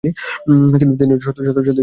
তিনি ছিলেন স্বদেশী যাত্রার প্রবর্তক।